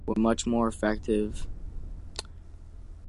It was not used afterwards, because aircraft were much more effective.